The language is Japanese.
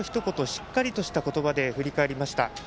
しっかりとした言葉で振り返りました。